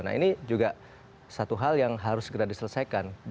nah ini juga satu hal yang harus segera diselesaikan